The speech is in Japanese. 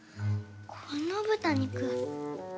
この豚肉。